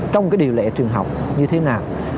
trong cái điều lệ trường học như thế nào